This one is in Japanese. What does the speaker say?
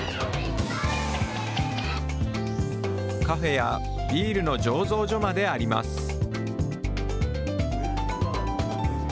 カフェやビールの醸造所まであります。